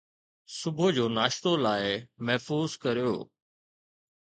صبح جو ناشتو لاء محفوظ ڪريو